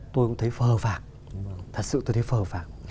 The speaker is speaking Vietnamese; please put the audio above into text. tôi cũng thấy phờ phạc thật sự tôi thấy phờ phạc